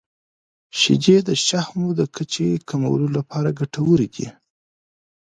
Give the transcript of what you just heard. • شیدې د شحمو د کچې کمولو لپاره ګټورې دي.